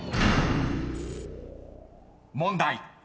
［問題］